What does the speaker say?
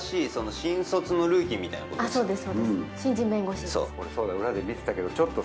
新卒のルーキーみたいなことです。